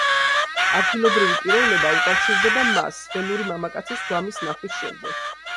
ადგილობრივი პიროვნება უკავშირდება მას, ველური მამაკაცის გვამის ნახვის შემდეგ.